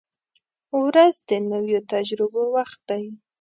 • ورځ د نویو تجربو وخت دی.